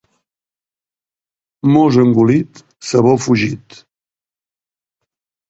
Mos engolit, sabor fugit.